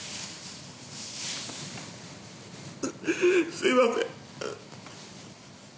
すいません。